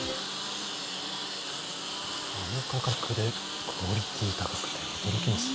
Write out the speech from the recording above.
あの価格で、クオリティー高くて驚きます。